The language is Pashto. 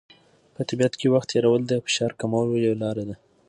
په طبیعت کې وخت تېرول د فشار کمولو یوه لاره ده.